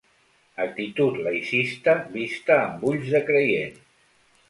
Actitud laïcista vista amb ulls de creient.